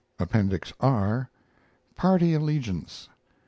APPENDIX R PARTY ALLEGIANCE.